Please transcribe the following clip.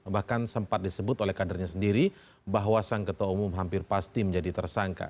bahkan sempat disebut oleh kadernya sendiri bahwa sang ketua umum hampir pasti menjadi tersangka